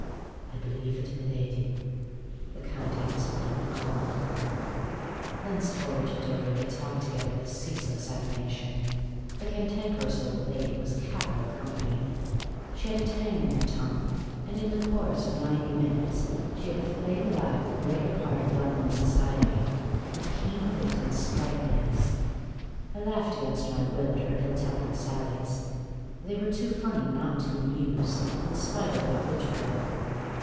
" I beUeveit, miladi," the Count answered, and ogled her. Thenceforward to Dover, they talked together with cease less animation. The Cantankerous Old Lady was capital company. She had a tang in her tongue, and in the course of ninety minutes she had flayed alive the greater part of London society, with keen wit and sprightliness. I laughed against my will at her ill tempered sallies ; they were too funny not to amuse, in spite of their vitriol.